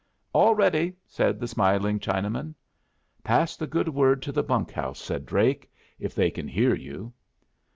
"All ready," said the smiling Chinaman. "Pass the good word to the bunk house," said Drake, "if they can hear you."